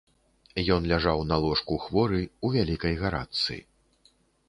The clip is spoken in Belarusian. Ён ляжаў на ложку хворы, у вялікай гарачцы.